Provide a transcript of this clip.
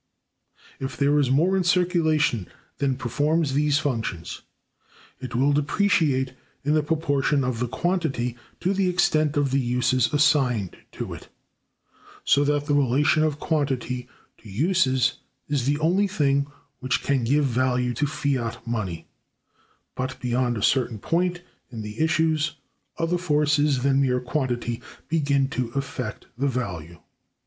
If there is more in circulation than performs these functions, it will depreciate in the proportion of the quantity to the extent of the uses assigned to it; so that the relation of quantity to uses is the only thing which can give value to fiat money, but beyond a certain point in the issues other forces than mere quantity begin to affect the value.